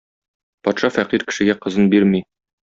Патша фәкыйрь кешегә кызын бирми.